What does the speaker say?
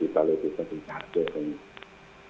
di balik baliknya kita ada